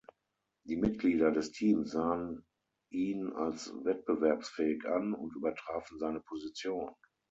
Die Mitglieder des Teams sahen ihn als wettbewerbsfähig an und übertrafen seine Position.